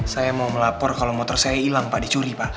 saya mau melapor kalau motor saya hilang pak dicuri pak